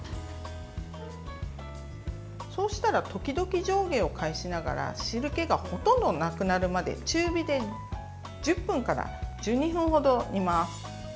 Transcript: そうしたら時々上下を返しながら汁けがほとんどなくなるまで中火で１０分から１２分程煮ます。